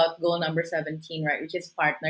untuk membuktikan bahwa dengan pertunjukan